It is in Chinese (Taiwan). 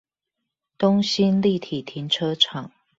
東興立體停車場